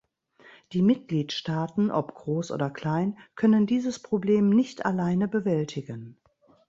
Die Mitgliedstaaten, ob groß oder klein, können dieses Problem nicht alleine bewältigen.